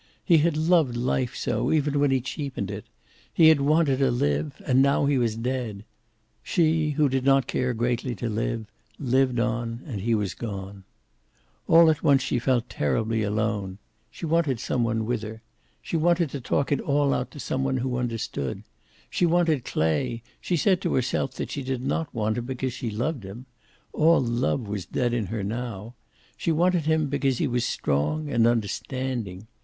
He had loved life so, even when he cheapened it. He had wanted to live and now he was dead. She, who did not care greatly to live, lived on, and he was gone. All at once she felt terribly alone. She wanted some one with her. She wanted to talk it all out to some one who understood. She wanted Clay. She said to herself that she did not want him because she loved him. All love was dead in her now. She wanted him because he was strong and understanding.